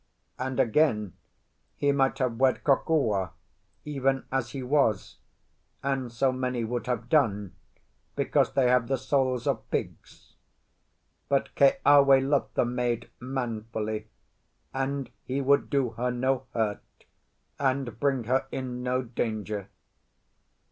And again, he might have wed Kokua even as he was; and so many would have done, because they have the souls of pigs; but Keawe loved the maid manfully, and he would do her no hurt and bring her in no danger.